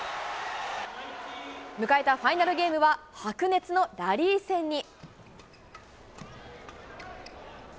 迎えたファイナルゲームは、白熱のラリー戦に。